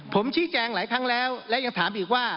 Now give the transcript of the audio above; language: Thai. ผมชี้แจงหลายครั้งแล้วและยังถามอีกว่า